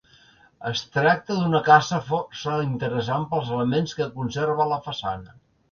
Es tracta d'una casa força interessant pels elements que conserva a la façana.